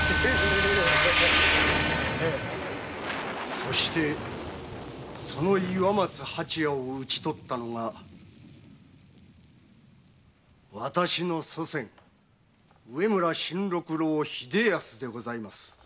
そしてその岩松八弥を討ちとったのが私の祖先・植村新六郎栄安でございます。